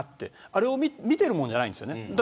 あれは見ているもんじゃないんです。